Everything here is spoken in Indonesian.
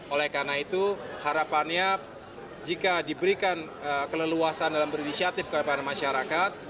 oleh karena itu harapannya jika diberikan keleluasan dalam berinisiatif kepada masyarakat